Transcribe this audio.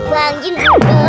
bang jin aduh